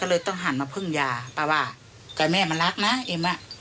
ก็เลยต้องหันมาพึ่งยาป้าว่าแต่แม่มันรักนะเอ็มอ่ะ